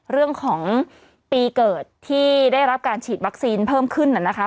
เรื่องของปีเกิดที่ได้รับการฉีดวัคซีนเพิ่มขึ้นน่ะนะคะ